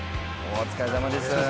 お疲れさまでした。